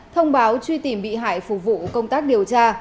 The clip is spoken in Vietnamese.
thông báo truy tìm bị hại phục vụ công tác điều tra